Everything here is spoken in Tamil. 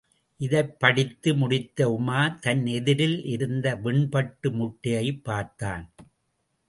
இதைப் படித்து முடித்த உமார் தன் எதிரில் இருந்த வெண்பட்டு முட்டையை பார்த்தான்.